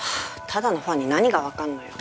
ただのファンに何がわかるのよ？